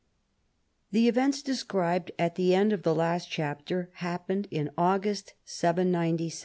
The events described at the end of the last chap ter happened in August Y97.